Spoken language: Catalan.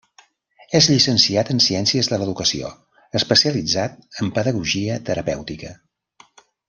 És llicenciat en ciències de l'educació, especialitzat en pedagogia terapèutica.